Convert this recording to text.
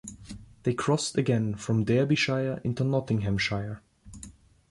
They crossed again from Derbyshire into Nottinghamshire.